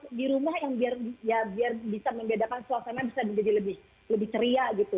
suami mau apa mbaknya di rumah yang biar bisa menggadakan suaminya bisa jadi lebih ceria gitu